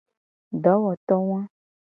Dowoto wa.